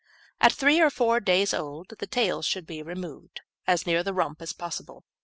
At three or four days old the tails should be removed, as near the rump as possible.